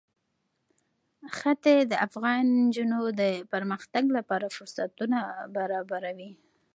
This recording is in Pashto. ښتې د افغان نجونو د پرمختګ لپاره فرصتونه برابروي.